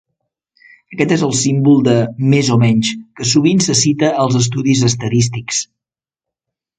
Aquest és el símbol de "més o menys" que sovint se cita als estudis estadístics.